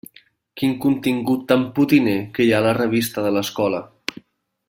Quin contingut tan potiner que hi ha a la revista de l'escola!